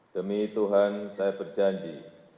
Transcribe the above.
demi tuhan saya berjanji